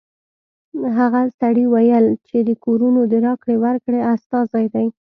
هغه سړي ویل چې د کورونو د راکړې ورکړې استازی دی